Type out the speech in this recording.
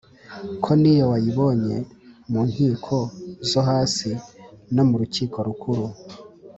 koniyo wayibona mu nkiko zohasi, nomu Rukiko Rukuru